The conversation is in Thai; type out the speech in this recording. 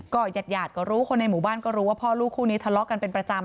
ญาติยาดก็รู้คนในหมู่บ้านก็รู้ว่าพ่อลูกคู่นี้ทะเลาะกันเป็นประจำ